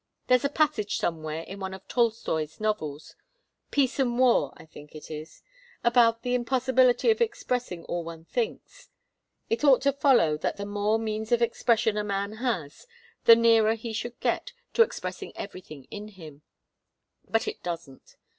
There's a passage somewhere in one of Tolstoi's novels 'Peace and War,' I think it is about the impossibility of expressing all one thinks. It ought to follow that the more means of expression a man has, the nearer he should get to expressing everything in him. But it doesn't.